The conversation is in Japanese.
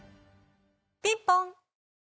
ピンポン。